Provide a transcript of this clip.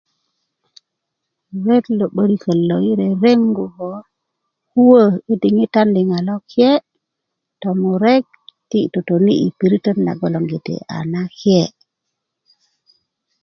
ret lo 'börikot lo yi rerengu ko kuwö i diŋitan liŋ a lake tomurek ti yi totoni i piritön nagolongiti a nake